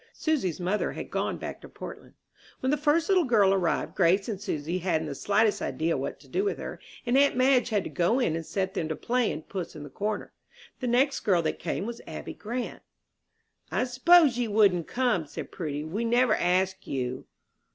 Susy's mother had gone back to Portland. When the first little girl arrived, Grace and Susy hadn't the slightest idea what to do with her, and aunt Madge had to go in and set them to playing "Puss in the corner." The next girl that came was Abby Grant. "I s'posed ye wouldn't come," said Prudy. "We never asked you."